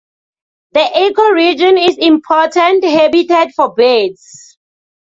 The ecoregion is important habitat for birds.